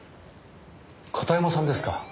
片山さんですか。